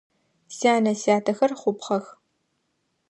Сянэ-сятэхэр хъупхъэх.